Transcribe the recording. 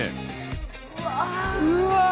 うわ！